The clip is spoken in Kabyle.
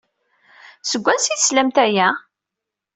Seg wansi ay d-teslamt aya?